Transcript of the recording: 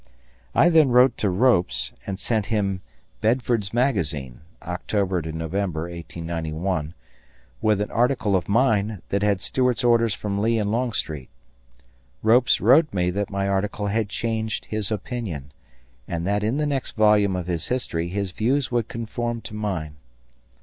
I then wrote to Ropes and sent him Belford's Magazine (October November, 1891) with an article of mine that had Stuart's orders from Lee and Longstreet. Ropes wrote me that my article had changed his opinion, and that in the next volume of his history his views would conform to mine.